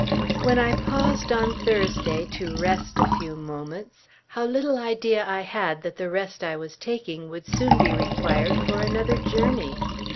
When I paused on Thursday to rest a few moments, how little idea I had that the rest I was taking would soon be required for another journey!